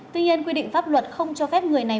tuy nhiên quy định pháp luật không cho phép người này